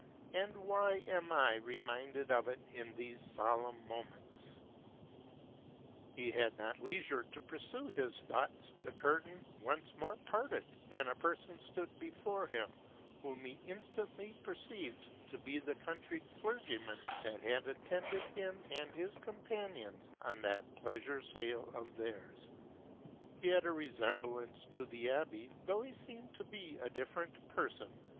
and why am I reminded of it in these solemn moments ?'' He had not leisure to pursue his thoughts : the curtain once more parted ; and a person stood before him, whom he instantly perceived to be the country clergyman that had attended him and his companions on that pleasure sail of theirs. He had a resemblance to the abbe, though he seemed to be a different person.